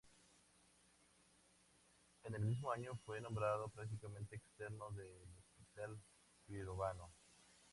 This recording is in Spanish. En el mismo año fue nombrado practicante externo del Hospital Pirovano.